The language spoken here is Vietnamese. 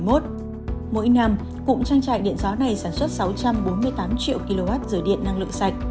mỗi năm cụm trang trại điện gió này sản xuất sáu trăm bốn mươi tám triệu kwh giữa điện năng lượng sạch